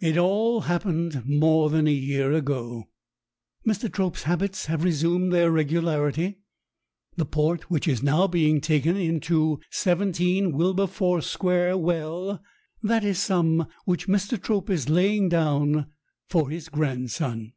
It all happened more than a year ago. Mr. Trope's habits have resumed their regularity. The port which is now being taken into 17 Wilberforce Square well, that is some which Mr. Trope is laying down for his grandson.